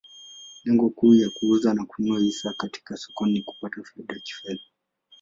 Lengo kuu ya kuuza na kununua hisa katika soko ni kupata faida kifedha.